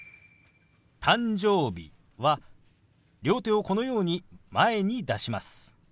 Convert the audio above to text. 「誕生日」は両手をこのように前に出します。